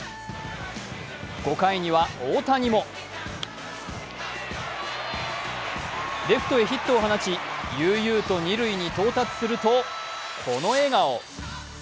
５回には大谷もレフトへヒットを放ち悠々と二塁に到達するとこの笑顔。